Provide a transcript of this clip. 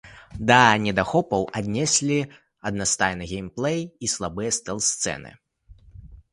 Да недахопаў аднеслі аднастайны геймплэй і слабыя стэлс-сцэны.